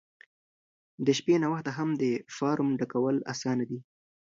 د شپې ناوخته هم د فارم ډکول اسانه دي.